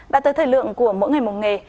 đã tới thời lượng của mỗi ngày một nghề